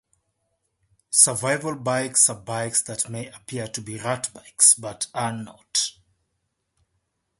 Survival bikes are bikes that may appear to be rat bikes, but are not.